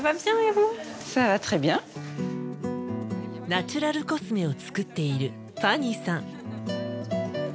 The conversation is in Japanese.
ナチュラルコスメを作っているファニーさん。